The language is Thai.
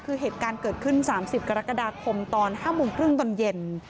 คือเหตุการณ์เกิดขึ้น๓๐กรกฎาคมตอน๕โมงครึ่งตอนเย็น